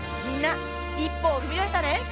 みんな一歩をふみだしたね。